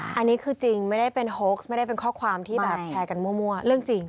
อันนี้คือจริงไม่ได้เป็นโฮกไม่ได้เป็นข้อความที่แบบแชร์กันมั่วเรื่องจริง